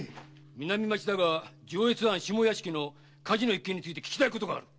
南町だが上越藩下屋敷の火事の一件について訊きたいことがある。